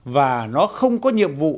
và nó không có nhiệm vụ